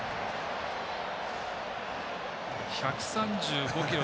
１３５キロ。